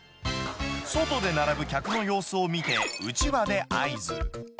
外で並ぶ客の様子を見て、うちわで合図。